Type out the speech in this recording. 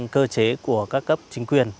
cơ chế của các cấp chính quyền